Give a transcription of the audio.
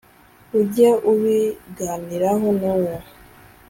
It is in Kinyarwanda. ujye ubiganiraho n uwo